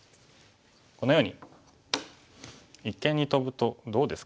このように一間にトブとどうですかね。